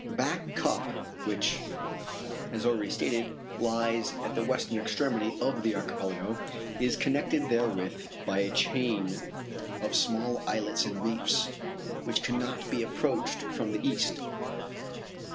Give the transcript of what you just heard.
Back Cup, which, as already stated, lies at the western extremity of the archipelago, is connected therewith by a chain of small islets and reefs, which cannot be approached from the east.